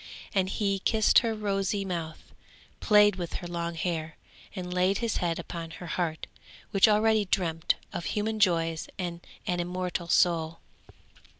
And he kissed her rosy mouth, played with her long hair, and laid his head upon her heart, which already dreamt of human joys and an immortal soul.